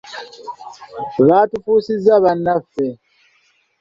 Baatufuzisa bannaffe.